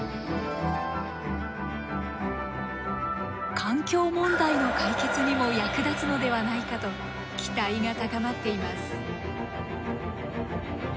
環境問題の解決にも役立つのではないかと期待が高まっています。